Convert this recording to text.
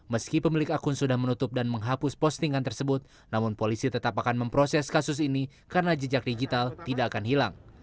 meski pemilik akun sudah menutup dan menghapus postingan tersebut namun polisi tetap akan memproses kasus ini karena jejak digital tidak akan hilang